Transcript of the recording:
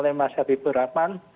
oleh mas habibur rahman